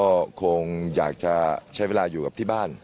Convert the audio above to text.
ก็คงอยากจะใช้เวลาอยู่กับที่บ้าน